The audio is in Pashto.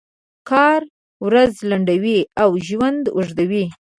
کار ورځ لنډوي او ژوند اوږدوي.